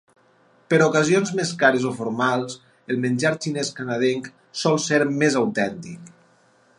Per ocasions més cares o formals, el menjar xinès canadenc sol ser més autèntic.